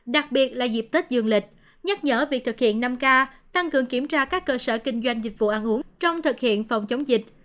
đặc biệt là dịp tết dương lịch nhắc nhở việc thực hiện năm k tăng cường kiểm tra các cơ sở kinh doanh dịch vụ ăn uống trong thực hiện phòng chống dịch